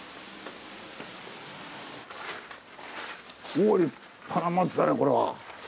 お立派な松だねこれは。